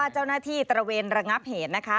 เจ้าหน้าที่ตระเวนระงับเหตุนะคะ